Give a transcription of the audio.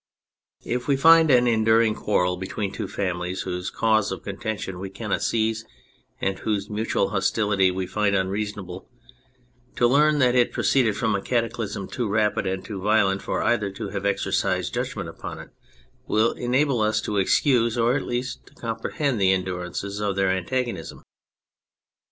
240 THE FRENCH REVOLUTION If we find an enduring quarrel between two families whose cause of contention we cannot seize and whose mutual hostility we find unreasonable, to learn that it proceeded from a cataclysm too rapid and too violent for either to have exercised judgment upon it will enable us to excuse or at least to com prehend the endurance of their antagonism.